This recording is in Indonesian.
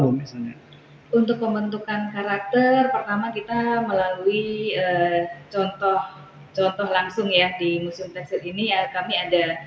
untuk pembentukan karakter pertama kita melalui contoh langsung ya di museum tekstil ini ya kami ada